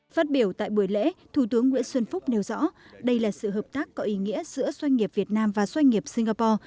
phát biểu tại buổi lễ thủ tướng nguyễn xuân phúc nêu rõ đây là sự hợp tác có ý nghĩa giữa doanh nghiệp việt nam và doanh nghiệp singapore